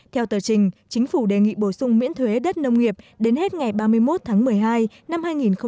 theo tờ trình chính phủ đề nghị bổ sung miễn thuế đất nông nghiệp đến hết ngày ba mươi một tháng một mươi hai năm hai nghìn một mươi chín